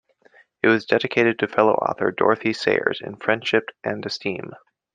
It was dedicated to fellow author Dorothy Sayers in friendship and esteem.